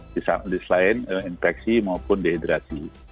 jadi selain infeksi maupun dehidrasi